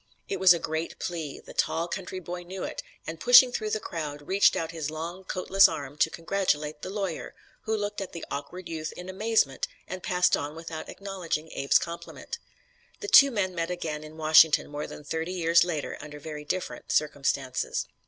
It was a great plea; the tall country boy knew it and, pushing through the crowd, reached out his long, coatless arm to congratulate the lawyer, who looked at the awkward youth in amazement and passed on without acknowledging Abe's compliment. The two men met again in Washington, more than thirty years later, under very different circumstances.